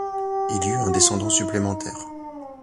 Il y eut un descendant supplémentaire.